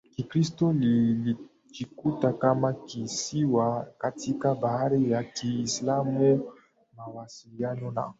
Kikristo lilijikuta kama kisiwa katika bahari ya Kiislamu Mawasiliano na